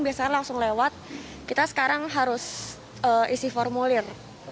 biasanya langsung lewat kita sekarang harus isi formulir